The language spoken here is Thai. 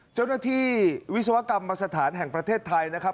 เจ้าหน้าที่วิศวกรรมสถานแห่งประเทศไทยนะครับ